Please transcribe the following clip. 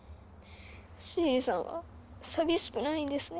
シエリさんは寂しくないんですね。